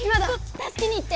たすけに行って！